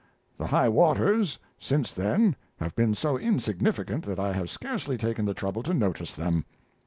The "high waters" since then have been so insignificant that I have scarcely taken the trouble to notice them.